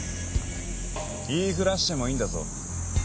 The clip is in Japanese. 言いふらしてもいいんだぞ？